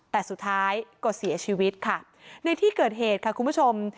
แต่สุดท้ายก็เสียชีวิตค่ะในที่เกิดเหตุค่ะคุณผู้ชม